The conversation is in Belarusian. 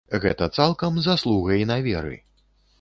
Гэта цалкам заслуга інаверы.